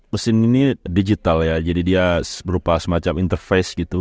mesin ini digital ya jadi dia berupa semacam interface gitu